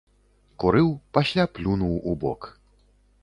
Курыў, пасля плюнуў убок.